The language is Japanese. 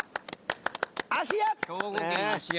兵庫県芦屋。